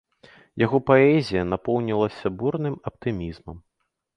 Яго паэзія напоўнілася бурным аптымізмам.